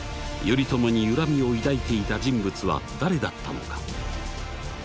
頼朝に恨みを抱いていた人物は誰だったのか？